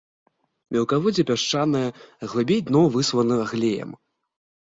Мелкаводдзе пясчанае, глыбей дно выслана глеем.